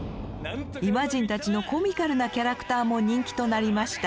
イマジンたちのコミカルなキャラクターも人気となりました。